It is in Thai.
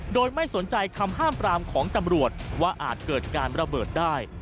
โดยไม่สนใจคำห้ามปรามของตำรวจว่าอาจเกิดการระเบิดได้